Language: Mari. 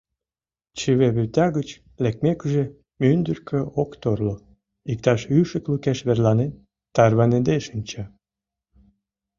Чыве вӱта гыч лекмекыже, мӱндыркӧ ок торло, иктаж ӱшык лукеш верланен, тарваныде шинча.